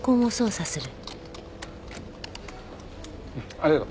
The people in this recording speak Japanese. ありがとう。